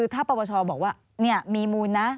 ถ้าปปชบอกว่ามีมูลนะ